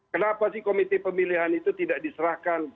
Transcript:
kenapa sih komite pemilihan itu tidak diserahkan